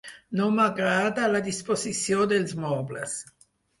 No m'agrada la disposició dels mobles.